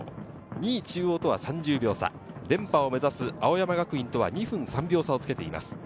２位中央とは３０秒差、連覇を目指す青山学院とは２分３秒差をつけています。